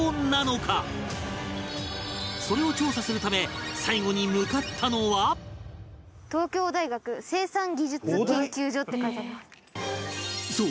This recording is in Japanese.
それを調査するため最後に向かったのはって書いてあります。